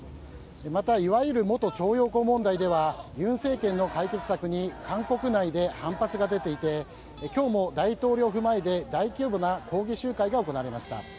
また、いわゆる元徴用工問題では尹政権の解決策に韓国内で反発が出ていて今日も大統領府前で大規模な抗議集会が行われました。